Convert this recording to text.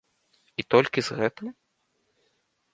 І толькі з гэтым?